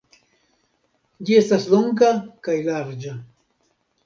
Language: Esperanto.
Ĝi estas longa kaj larĝa.